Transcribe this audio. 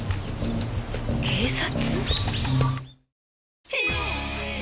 警察？